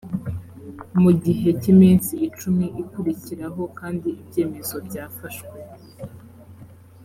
mu gihe cy’iminsi icumi ikurikiraho kandi ibyemezo byafashwe